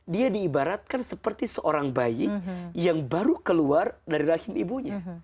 dia diibaratkan seperti seorang bayi yang baru keluar dari rahim ibunya